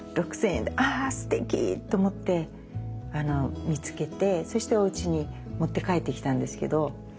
６，０００円であすてきと思って見つけてそしておうちに持って帰ってきたんですけど。